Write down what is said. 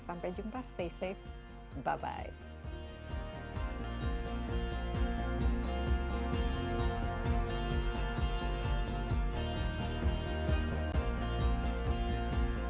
sampai jumpa stay safe bye bye